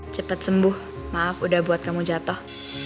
cepet sembuh maaf udah buat kamu jatoh